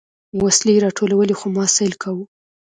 وسلې يې راټولولې خو ما سيل کاوه.